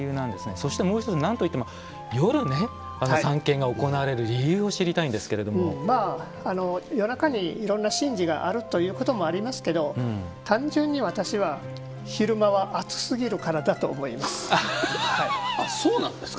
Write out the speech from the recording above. そしてもう一つなんといっても夜ね参詣が行われる理由を夜中にいろんな神事があるということもありますけど単純に私はそうなんですか。